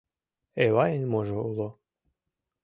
Эвайын можо уло?